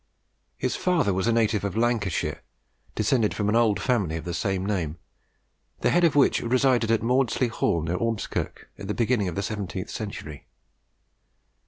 His father was a native of Lancashire, descended from an old family of the same name, the head of which resided at Mawdsley Hall near Ormskirk at the beginning of the seventeenth century.